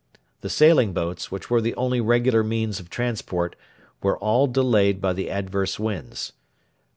The sailing boats, which were the only regular means of transport, were all delayed by the adverse winds.